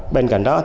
bên cạnh đó